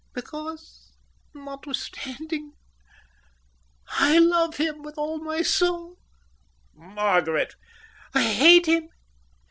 "Because, notwithstanding, I love him with all my soul." "Margaret!" "I hate him.